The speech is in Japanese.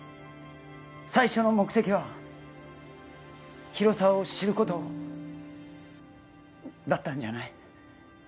最初の目的は広沢を知ることだったんじゃない？